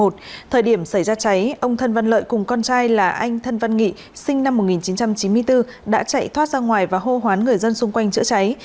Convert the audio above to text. thời điểm xảy ra cháy ông thân văn lợi cùng con trai là anh thân văn nghị sinh năm một nghìn chín trăm chín mươi bốn đã chạy thoát ra ngoài và hô hoán người dân xung quanh chữa cháy